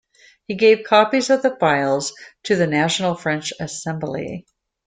He gave copies of the files to the National French Assembly.